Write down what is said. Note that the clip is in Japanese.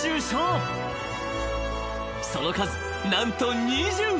［その数何と２０］